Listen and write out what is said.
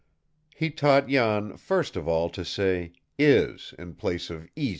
He taught Jan, first of all, to say "is" in place of "ees."